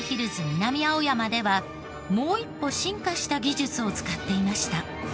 南青山ではもう一歩進化した技術を使っていました。